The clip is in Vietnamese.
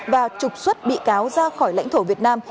và trục xuất bị cáo ra khỏi lãnh thổ việt nam